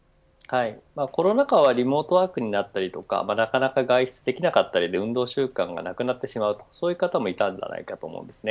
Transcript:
コロナ禍はリモートワークになったりとかなかなか外出できなかったりで運動習慣がなくなってしまうそういう方もいたのではないかと思います。